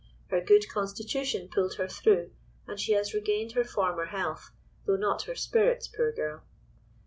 "Her good constitution pulled her through, and she has regained her former health, though not her spirits, poor girl!